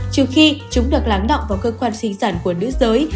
trừ khi chúng được lắng động vào cơ quan sinh sản của nữ giới